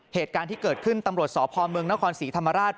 เหตุการณ์ที่เกิดขึ้นตำรวจสพเมืองนครศรีธรรมราช